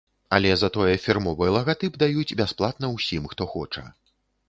Але затое фірмовы лагатып даюць бясплатна ўсім, хто хоча.